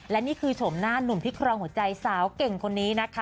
และนี่คือชมหน้าหนุ่มที่ครองหัวใจสาวเก่งคนนี้นะคะ